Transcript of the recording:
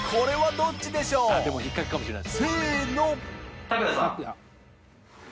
任引っかけかもしれない。